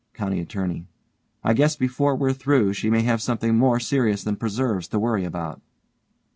COUNTY ATTORNEY: I guess before we're through she may have something more serious than preserves to worry about.